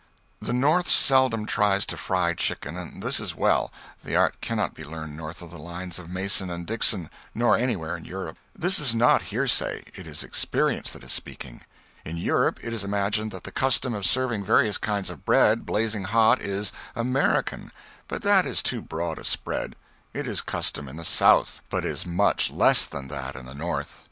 The North seldom tries to fry chicken, and this is well; the art cannot be learned north of the line of Mason and Dixon, nor anywhere in Europe. This is not hearsay; it is experience that is speaking. In Europe it is imagined that the custom of serving various kinds of bread blazing hot is "American," but that is too broad a spread; it is custom in the South, but is much less than that in the North.